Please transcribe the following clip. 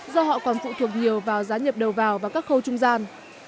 do họ còn phụ thuộc nhiều vào giá nhập đầu vào và các khâu trung gian